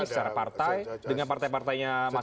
secara partai dengan partai partainya mas